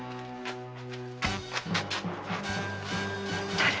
誰？